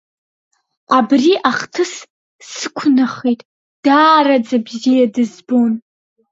Абри ахҭыс сықәнахит, даараӡа бзиа дызбон…